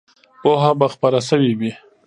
پوهه به خپره سوې وي.